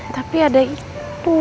tapi ada itu